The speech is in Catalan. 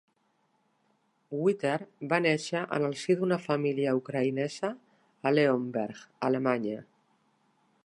Witer va néixer en el si d'una família ucraïnesa a Leonberg, Alemanya.